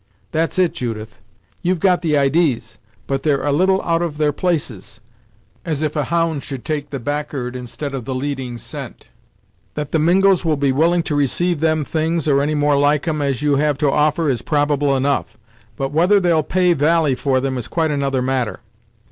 "That's it, Judith; you've got the idees, but they're a little out of their places, as if a hound should take the back'ard instead of the leading scent. That the Mingos will be willing to receive them things, or any more like 'em you may have to offer is probable enough, but whether they'll pay valie for 'em is quite another matter.